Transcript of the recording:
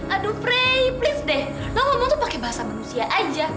aduh frey please deh lo ngomong tuh pake bahasa manusia aja